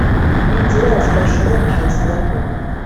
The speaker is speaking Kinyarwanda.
inzira zidashoboka zibaho!